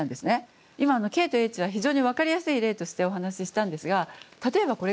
今のＫとＨは非常に分かりやすい例としてお話ししたんですが例えばこれがですね